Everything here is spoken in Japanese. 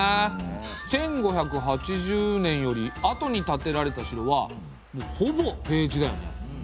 １５８０年よりあとに建てられた城はほぼ平地だよね。